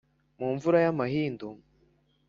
Mu mvura y’amahindu